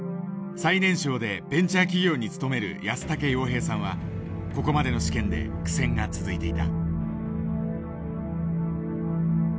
最年少でベンチャー企業に勤める安竹洋平さんはここまでの試験で苦戦が続いていた。